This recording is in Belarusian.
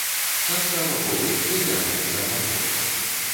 Часта вакол іх назіраецца гало.